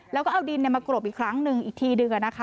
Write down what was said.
แล้วก็เอาดินมากรบอีกครั้งหนึ่งอีกทีหนึ่ง